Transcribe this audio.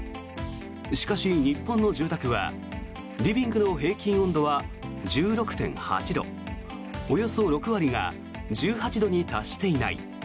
しかし、日本の住宅はリビングの平均温度は１６．８度およそ６割が１８度に達していない。